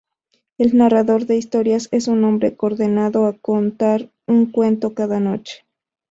El Narrador de Historias es un hombre condenado a contar un cuento cada noche.